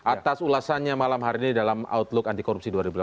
atas ulasannya malam hari ini dalam outlook anti korupsi dua ribu delapan belas